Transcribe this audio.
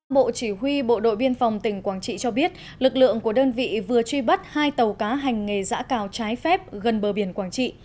bộ chỉ huy bộ đội biên phòng tỉnh quảng trị cho biết lực lượng của đơn vị vừa truy bắt hai tàu cá hành nghề giã cào trái phép gần bờ biển quảng trị